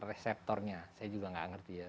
reseptornya saya juga nggak ngerti ya